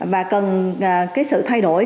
và cần sự thay đổi